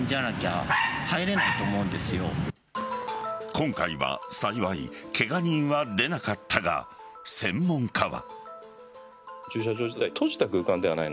今回は幸いケガ人は出なかったが、専門家は。